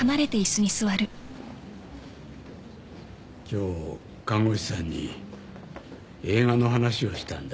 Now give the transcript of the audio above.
今日看護師さんに映画の話をしたんだ。